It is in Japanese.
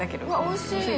おいしい！